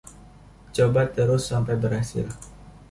coba terus sampai berhasil